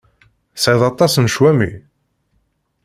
Tesɛiḍ aṭas n ccwami?